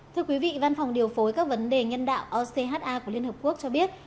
thưa quý vị văn phòng điều phối các vấn đề nhân đạo ocha của liên hợp quốc cho biết